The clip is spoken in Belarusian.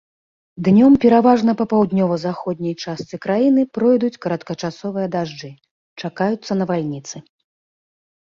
Днём пераважна па паўднёва-заходняй частцы краіны пройдуць кароткачасовыя дажджы, чакаюцца навальніцы.